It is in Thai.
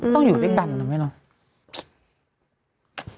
ต้องอยู่ด้วยกันหรือไม่รู้